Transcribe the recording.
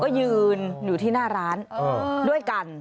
ก็ยืนอยู่ที่หน้าร้านด้วยกัน